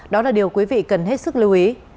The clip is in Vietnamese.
đó là điều quý vị cần hết sức lưu ý